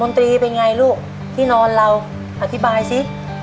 นตรีเป็นไงลูกที่นอนเราอธิบายสิ